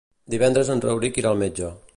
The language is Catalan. Divendres en Rauric irà al metge.